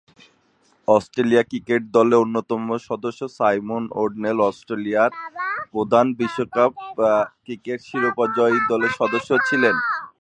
Australia cricket দলের অন্যতম সদস্য সাইমন ও’ডনেল অস্ট্রেলিয়ার প্রথম বিশ্বকাপ ক্রিকেট শিরোপা জয়ী দলের সদস্য ছিলেন।